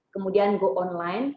kemudian go online